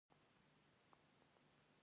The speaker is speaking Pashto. • د واورې تر ټولو ښایسته بڼه د سهار وخت وي.